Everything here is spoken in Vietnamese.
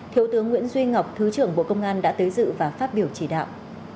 thiếu tướng nguyễn duy ngọc thứ trưởng bộ công an đã tới dự và phát biểu chỉ đạo